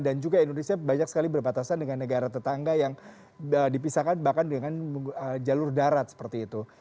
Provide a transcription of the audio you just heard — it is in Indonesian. dan juga indonesia banyak sekali berbatasan dengan negara tetangga yang dipisahkan bahkan dengan jalur darat seperti itu